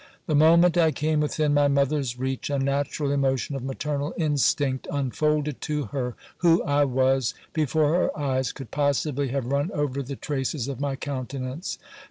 The moment I came within my mother's reach, a natural emotion of maternal instinct unfolded to her who I was, before her eyes could possibly have run over the traces of my countenance.